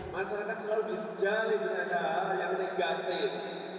masyarakat selalu dijali dengan hal hal yang negatif